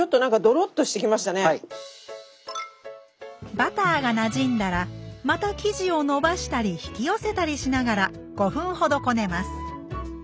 バターがなじんだらまた生地をのばしたり引き寄せたりしながら５分ほどこねます